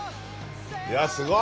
いやすごい！